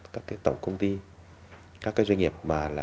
các cái tổng công ty các cái doanh nghiệp